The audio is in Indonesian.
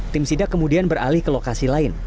tim sidak kemudian beralih ke lokasi lain